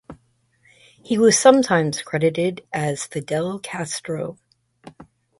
He was sometimes credited as Fidel Castro.